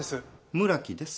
村木です。